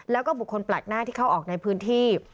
แล้วก็บุคคลแปลกหน้าที่เข้าออกในพื้นที่